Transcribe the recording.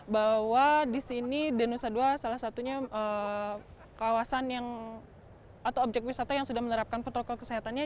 bahwa di sini denusa ii salah satunya objek wisata yang sudah menerapkan protokol kesehatannya